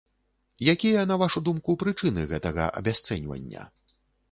Якія, на вашу думку, прычыны гэтага абясцэньвання?